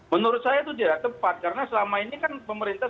menurut saya itu tidak tepat karena selama ini kan pemerintah